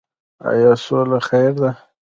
آیا سوله خیر ده؟